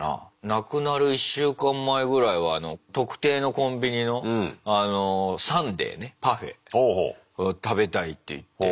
なくなる１週間前ぐらいは特定のコンビニのサンデーねパフェを食べたいって言って。